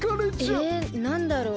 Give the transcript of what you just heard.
えなんだろう？